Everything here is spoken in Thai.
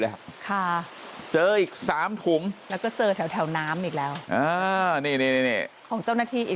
แล้วค่ะเจออีก๓ถุงแล้วก็เจอแถวน้ำอีกแล้วของเจ้าหน้าที่อีก